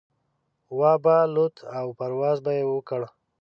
وابه لوته او پرواز به يې وکړ.